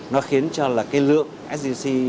nó khiến cho là cái lượng sgc